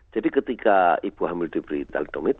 jadi ketika ibu hamil diberi telodomid